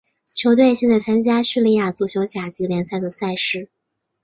球队现在参加匈牙利足球甲级联赛的赛事。